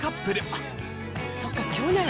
あっそっか去年。